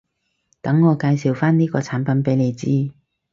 等我介紹返呢個產品畀你知